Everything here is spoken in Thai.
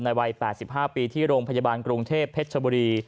วัย๘๕ปีที่โรงพยาบาลกรุงเทพเพชรชบุรี